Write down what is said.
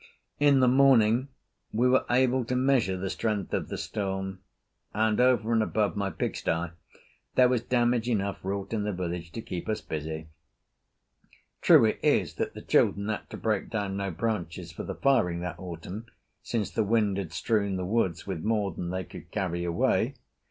In the morning we were able to measure the strength of the storm, and over and above my pigsty there was damage enough wrought in the village to keep us busy. True it is that the children had to break down no branches for the firing that autumn, since the wind had strewn the woods with more than they could carry away.